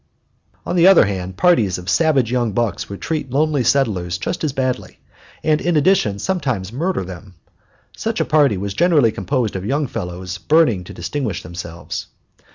On the other hand, parties of savage young bucks would treat lonely settlers just as badly, and in addition sometimes murder them. Such a party was generally composed of young fellows burning to distinguish themselves.